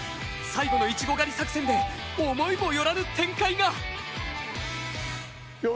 最後のイチゴ狩り作戦で思いも寄らぬ展開が。